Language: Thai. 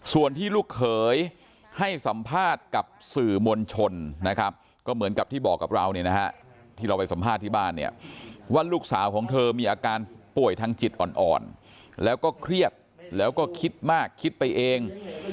ส่วนที่ลูกเขยให้สัมภาษณ์กับสื่อมวลชนนะครับก็เหมือนกับที่บอกกับเราเนี่ยนะฮะที่เราไปสัมภาษณ์ที่บ้านเนี่ยว่าลูกสาวของเธอมีอาการป่วยทางจิตอ่อนแล้วก็เครียดแล้วก็คิดมากคิดไปเอง